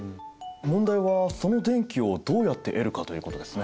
問題はその電気をどうやって得るかということですね。